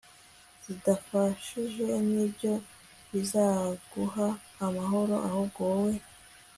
zidafashije nibyo bizaguha amahoro ahubwo wowe